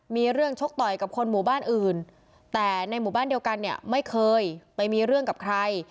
มีเรื่องชกต่อยกับคนหมู่บ้านอื่นแต่ในหมู่บ้านเดียวกันเนี่ยไม่เคยไปมีเรื่องกับใคร